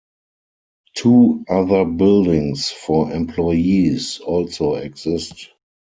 Two other buildings for employees also exist.